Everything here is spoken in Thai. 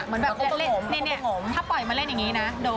เหมือนแบบถ้าปล่อยมาเล่นอย่างนี้นะ